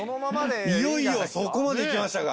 いよいよそこまでいきましたか！